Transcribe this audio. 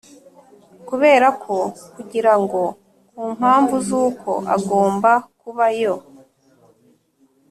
• kubera ko, kugira ngo, ku mpamvu z’uko… agomba kuba yo